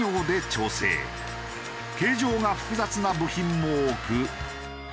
形状が複雑な部品も多く。